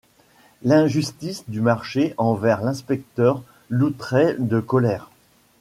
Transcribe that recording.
L’injustice du marché envers l’inspecteur l’outrait de colère.